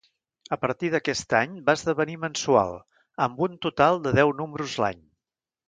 A partir d'aquest any va esdevenir mensual, amb un total de deu números l’any.